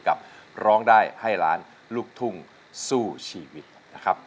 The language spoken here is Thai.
ร้องได้ให้ล้านลูกทุ่งสู้ชีวิตนะครับ